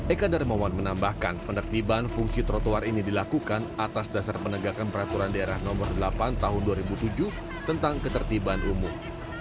eka darmawan menambahkan penertiban fungsi trotoar ini dilakukan atas dasar penegakan peraturan daerah nomor delapan tahun dua ribu tujuh tentang ketertiban umum